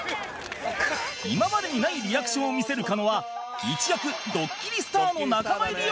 今までにないリアクションを見せる狩野は一躍ドッキリスターの仲間入りを果たす事に